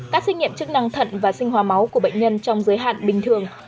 các xét nghiệm chức năng thận và sinh hóa máu của bệnh nhân trong giới hạn bình thường